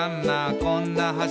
こんな橋」